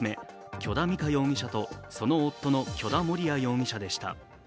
許田美香容疑者とその夫の許田盛哉容疑者でした。